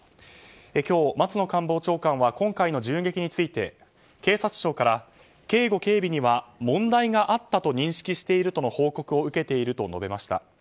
今日、松野官房長官は今回の銃撃について警察庁から警護・警備には問題があったと認識しているとの報告を受けていると述べました。